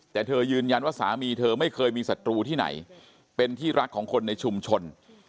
แต่เธอยืนยันว่าสามีเธอไม่เคยมีศัตรูที่ไหนเป็นที่รักของคนในชุมชน